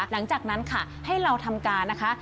หลังจากนั้นค่ะให้เราทำการนะคะ